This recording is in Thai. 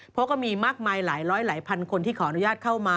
เพราะก็มีมากมายหลายร้อยหลายพันคนที่ขออนุญาตเข้ามา